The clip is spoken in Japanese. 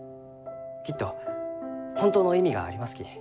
きっと本当の意味がありますき。